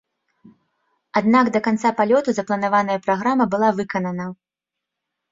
Аднак, да канца палёту запланаваная праграма была выканана.